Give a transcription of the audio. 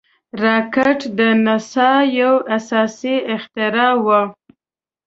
راکټ د ناسا یو اساسي اختراع وه